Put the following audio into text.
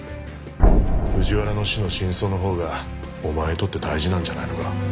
藤原の死の真相のほうがお前にとって大事なんじゃないのか？